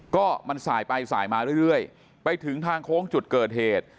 ก็มันสายไปสายมาเรื่อยไปถึงทางโค้งจุดเกิดเหตุ